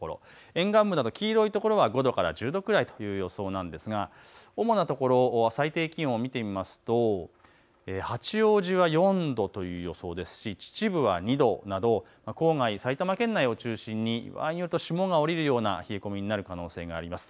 沿岸部など黄色い所は５度から１０度くらいという予想なんですが主な所、最低気温を見てみますと八王子は４度という予想ですし秩父は２度など郊外、埼玉県内を中心に場合によると霜が降りるような冷え込みになる可能性があります。